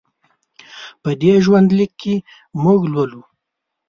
په دې ژوند لیک کې موږ لولو.